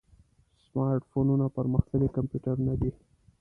سمارټ فونونه پرمختللي کمپیوټرونه دي.